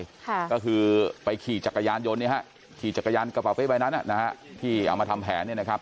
ค่ะก็คือไปขี่จักรยานยนต์เนี่ยฮะขี่จักรยานกระเป๋าเป้ใบนั้นอ่ะนะฮะที่เอามาทำแผนเนี่ยนะครับ